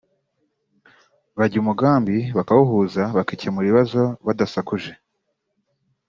bajya umugambi bakawuhuza bakikemurira ibibazo badasakuje